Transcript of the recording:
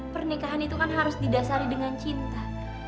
pernikahan itu kan harus didasari dengan cinta